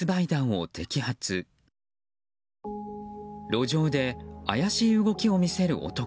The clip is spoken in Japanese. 路上で怪しい動きを見せる男。